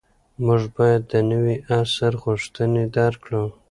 موږ باید د نوي عصر غوښتنې درک کړو.